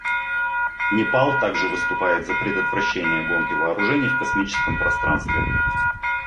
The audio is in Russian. Непал также выступает за предотвращение гонки вооружений в космическом пространстве.